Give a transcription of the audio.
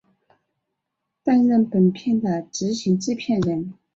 担任本片的执行制片人。